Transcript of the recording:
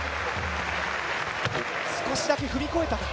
少しだけ踏み越えたか。